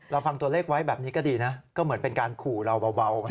เราฟังตัวเลขไว้แบบนี้ก็ดีนะก็เหมือนเป็นการขู่เราเบา